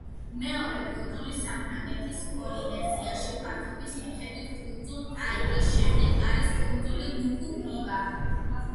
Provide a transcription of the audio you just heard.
მეორე კუნძული საფრანგეთის პოლინეზიაში ფართობის მიხედვით კუნძულ ტაიტის შემდეგ არის კუნძული ნუკუ-ჰივა.